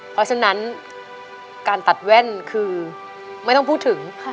เพราะฉะนั้นการตัดแว่นคือไม่ต้องพูดถึง